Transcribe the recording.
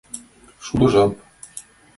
Шудо жап.